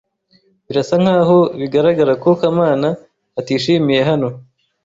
Birasa nkaho bigaragara ko Kamana atishimiye hano.